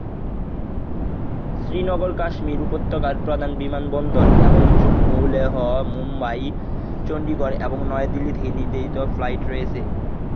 শ্রীনগর কাশ্মীর উপত্যকার প্রধান বিমানবন্দর এবং জম্মু, লেহ, মুম্বাই, চণ্ডীগড় এবং নয়াদিল্লি থেকে নির্ধারিত ফ্লাইট রয়েছে।